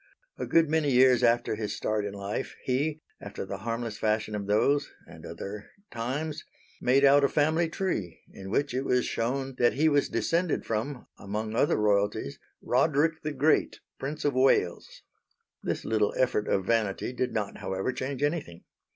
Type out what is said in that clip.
A good many years after his start in life he, after the harmless fashion of those (and other) times, made out a family tree in which it was shewn that he was descended from, among other royalties, Roderick the Great, Prince of Wales. This little effort of vanity did not, however, change anything.